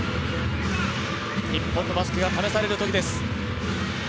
日本のバスケが試されるときです。